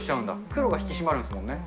黒が引き締まるんですもんね。